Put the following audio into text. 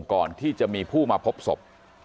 ก่อนที่จะมีผู้มาพบศพ